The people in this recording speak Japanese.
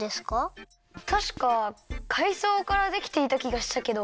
たしかかいそうからできていたきがしたけど。